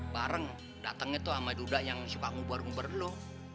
bareng datangnya tuh ama duda yang suka ngubur ngubur lo